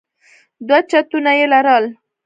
دوه چتونه يې لرل.